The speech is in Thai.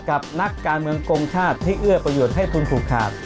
นักการเมืองกงชาติที่เอื้อประโยชน์ให้คุณผูกขาด